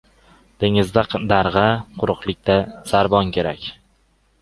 • Dengizda darg‘a, quruqlikda sarbon kerak.